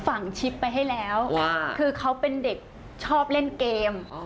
ชิปไปให้แล้วคือเขาเป็นเด็กชอบเล่นเกม